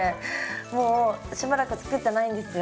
もうしばらく作ってないんですよ。